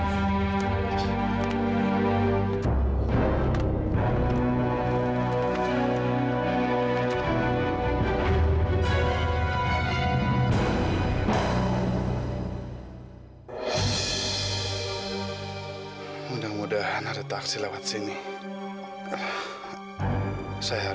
sampai jumpa di video selanjutnya